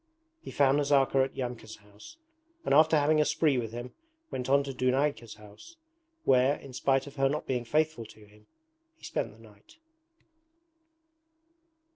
He found Nazarka at Yamka's house, and after having a spree with him went to Dunayka's house, where, in spite of her not being faithful to him, he spent the night.